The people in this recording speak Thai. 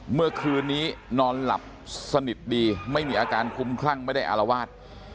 เมื่อคืนนี้นอนหลับสนิทดีไม่มีอาการคุ้มคลั่งไม่ได้อารวาส